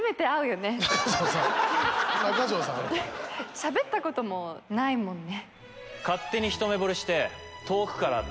しゃべったこともないもんね。